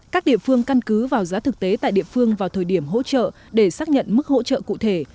các địa phương căn cứ vào giá thực tế tại địa phương vào thời điểm hỗ trợ để xác nhận mức hỗ trợ cụ thể